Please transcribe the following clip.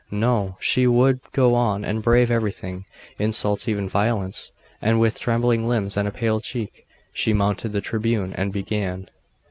No! she would go on and brave everything, insults, even violence; and with trembling limbs and a pale cheek, she mounted the tribune and began.